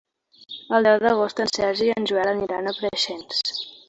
El deu d'agost en Sergi i en Joel aniran a Preixens.